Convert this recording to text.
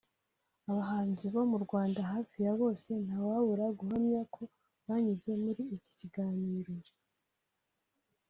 Abahanzi bo mu Rwanda hafi ya bose nta wabura guhamya ko banyuze muri iki kiganiro